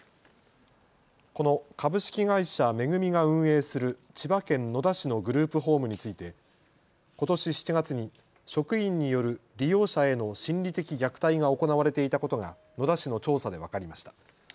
この株式会社恵が運営する千葉県野田市のグループホームについてことし７月に職員による利用者への心理的虐待が行われていたことが野田市の調査で分かりました。